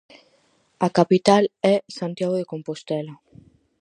A capital é Santiago de Compostela.